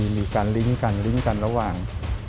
มีการลิงก์กันลิงก์กันระหว่าง